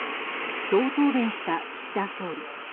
そう答弁した岸田総理。